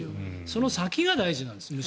その先がむしろ大事なんです。